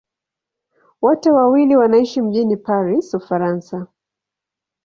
Wote wawili wanaishi mjini Paris, Ufaransa.